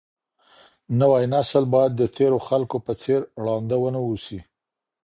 نوی نسل باید د تېرو خلګو په څېر ړانده ونه اوسي.